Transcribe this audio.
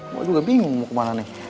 mbak juga bingung mau kemana nih